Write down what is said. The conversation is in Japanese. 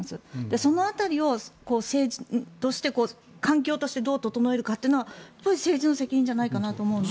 その辺りを政治として環境としてどう整えるかというのは政治の責任じゃないかなと思うんです。